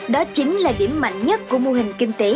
đó chính là điểm mạnh nhất của mô hình kinh tế